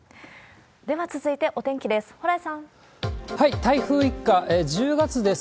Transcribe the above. では続いて、お天気です。